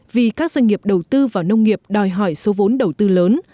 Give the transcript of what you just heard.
vì các doanh nghiệp đầu tư vào nông nghiệp đòi hỏi số vốn đầu tư lớn